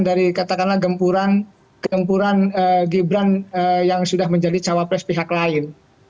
dari katakanlah gempuran gibran yang sudah menjadi cawapres pihak lain